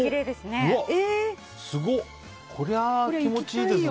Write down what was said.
これは気持ちいいですね。